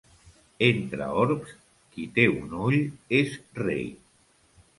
Entre orbs, qui té un ull és rei.